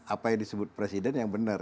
apa yang disebut presiden yang benar